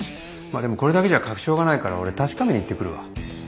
まっでもこれだけじゃ確証がないから俺確かめに行ってくるわ。